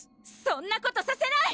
・そんなことさせない！